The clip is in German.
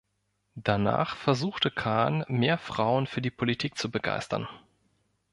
Danach versuchte Kahn, mehr Frauen für die Politik zu begeistern.